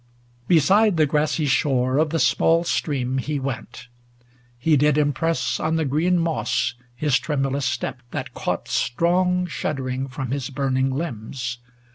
Beside the grassy shore Of the small stream he went ; he did im press On the green moss his tremulous step, that caught Strong shuddering from his burning limbs.